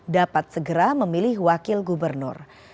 dapat segera memilih wakil gubernur